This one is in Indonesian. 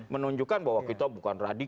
menunjukkan bahwa kita bukan radikal